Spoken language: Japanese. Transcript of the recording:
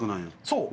そう。